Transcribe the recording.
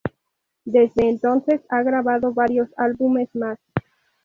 Desde entonces ha grabado varios álbumes más.